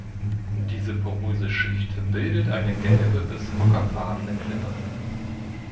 Diese poröse Schicht bildet eine gelbe bis ockerfarbene Klippe.